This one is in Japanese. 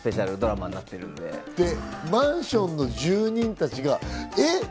マンションの住人たちが、えっ？